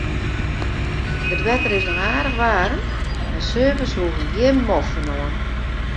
It wetter is noch aardich waarm en surfers hoege gjin moffen oan.